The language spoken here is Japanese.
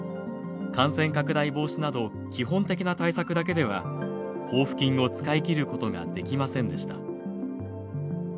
感染拡大防止など基本的な対策だけでは交付金を使い切ることができませんでした。